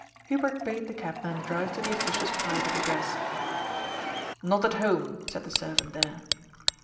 Hubert bade the cabman drive to the official's private address. ^ Not at home,'* said the servant there.